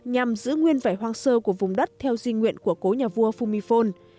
nhằm giữ nguyên vẻ hoang sơ của vùng đất theo di nguyện của cố nhà vua phu my phon